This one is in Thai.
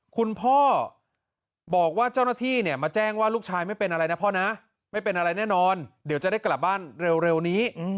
คุณพ่อบอกว่าเจ้าหน้าที่เนี่ยมาแจ้งว่าลูกชายไม่เป็นอะไรนะพ่อนะไม่เป็นอะไรแน่นอนเดี๋ยวจะได้กลับบ้านเร็วนี้